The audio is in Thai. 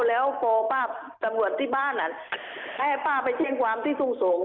แล้วตำรวจที่บ้านแพ้ป้าไปแจ้งความที่ทรงสง